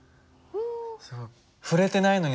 うん。